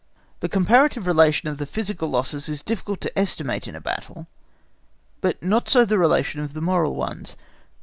The comparative relation of the physical losses is difficult to estimate in a battle, but not so the relation of the moral ones.